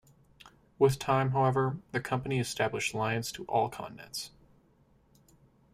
With time, however, the company established lines to all continents.